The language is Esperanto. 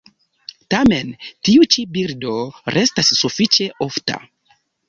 Tamen, tiu ĉi birdo restas sufiĉe ofta.